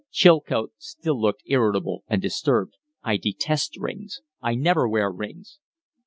Chilcote still looked irritable and disturbed. "I detest rings. I never wear rings."